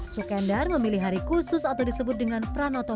sukendar memilih hari khusus atau disebut dengan pranoton